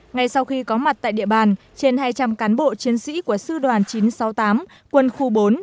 ngay sau khi có mặt tại địa bàn trên hai trăm linh cán bộ chiến sĩ của sư đoàn chín trăm sáu mươi tám quân khu bốn